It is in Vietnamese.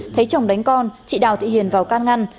thấy chồng đánh con chị đào thị hiền vào can ngăn